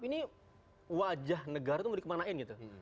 ini wajah negara itu mau dikemanain gitu